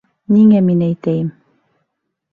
— Ниңә мин әйтәйем?